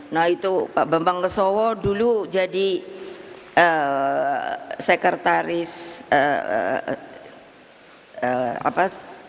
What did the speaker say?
nah itu pak bambang kesowo dulu jadi sekretaris eh eh eh eh eh apa